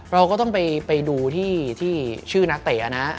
เราก็ต้องไปดูที่ชื่อนักเตะนะ